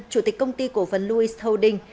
chủ tịch công ty cổ phần louis houding